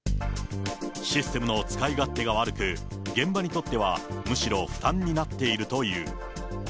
システムの使い勝手が悪く、現場にとってはむしろ負担になっているという。